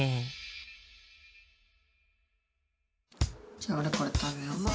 じゃあおれこれ食べよう。